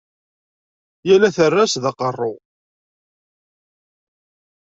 Yal aterras d aqeṛṛu.